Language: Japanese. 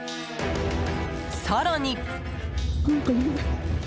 更に。